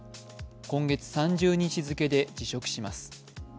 今月３０日付で辞職します。